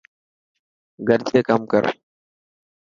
گڏجي ڪم ڪر.